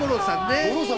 五郎さん。